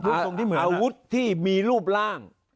อาวุธที่มีรูปร่าง